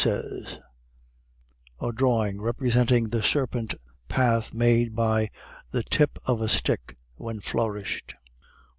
[omitted: a drawing representing the serpentine path made by the tip of a stick when flourished.